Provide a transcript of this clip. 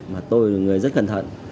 mà tôi là người rất cẩn thận